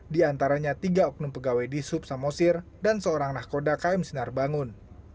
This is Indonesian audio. di antaranya tiga oknum pegawai di sub samosir dan seorang nahkoda km sinar bangun